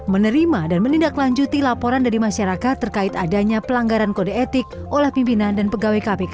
menerima dan menindaklanjuti laporan dari masyarakat terkait adanya pelanggaran kode etik oleh pimpinan dan pegawai kpk